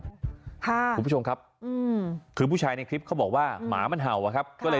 มีภาพจากกล้อมรอบหมาของเพื่อนบ้านแล้วก็ไม่ใช่หมาแบบพุดเดิ้ลอะไรอย่างนี้